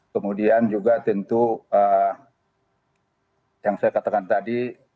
kemudian juga tentu yang saya katakan tadi